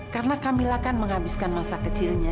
karena kamila kan menghabiskan masa kecilnya